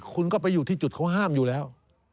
คุณก็ไปอยู่ที่จุดเขาห้ามอยู่แล้ว